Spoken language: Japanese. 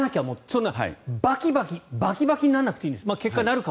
そんなバキバキにならなくていいんです。